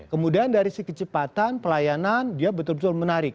kemudian dari segi kecepatan pelayanan dia betul betul menarik